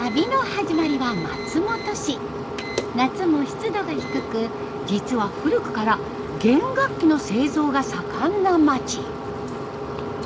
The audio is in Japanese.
夏も湿度が低く実は古くから弦楽器の製造が盛んな町。